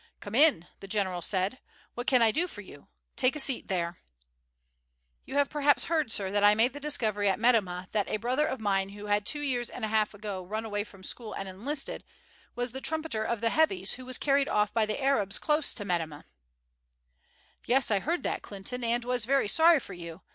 "Come in," the general said. "What can I do for you? Take a seat there." "You have perhaps heard, sir, that I made the discovery at Metemmeh that a brother of mine who had two years and a half ago run away from school and enlisted, was the trumpeter of the Heavies who was carried off by the Arabs close to Metemmeh." "Yes, I heard that, Clinton, and was very sorry for you.